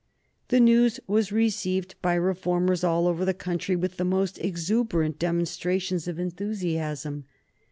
The news was received by Reformers all over the country with the most exuberant demonstrations of enthusiasm.